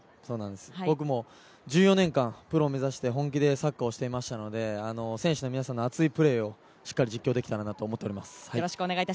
僕も１４年間、プロを目指して本気でサッカーをしていましたので、選手の皆さんの熱いプレーをしっかり実況できたらなと思っています。